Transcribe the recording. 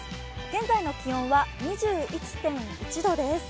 現在の気温は２１．１度です。